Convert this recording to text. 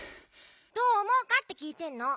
どうおもうかってきいてんの。